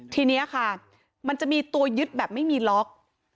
ทีนี้ค่ะมันจะมีตัวยึดแบบไม่มีล็อก